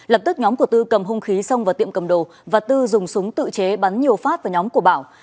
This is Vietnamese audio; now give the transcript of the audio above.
lập tức nhóm của tư cầm hung khí xông vào tiệm cầm đồ và tư dùng súng tự chế bắn nhiều phát vào nhóm của bảo